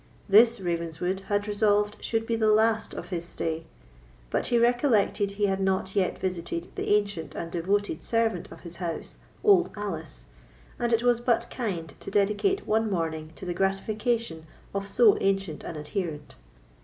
This Ravenswood had resolved should be the last of his stay; but he recollected he had not yet visited the ancient and devoted servant of his house, Old Alice, and it was but kind to dedicate one morning to the gratification of so ancient an adherent.